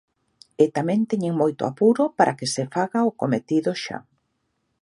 E tamén teñen moito apuro para que se faga o cometido xa.